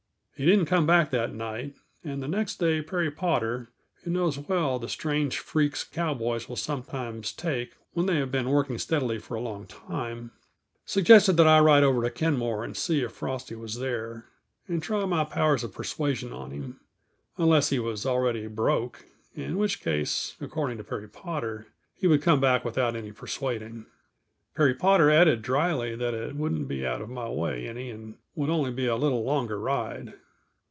He didn't come back that night, and the next day Perry Potter, who knows well the strange freaks cowboys will sometimes take when they have been working steadily for a long time, suggested that I ride over to Kenmore and see if Frosty was there, and try my powers of persuasion on him unless he was already broke; in which case, according to Perry Potter, he would come back without any persuading. Perry Potter added dryly that it wouldn't be out of my way any, and would only be a little longer ride.